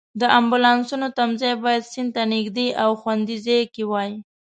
د امبولانسونو تمځای باید سیند ته نږدې او خوندي ځای کې وای.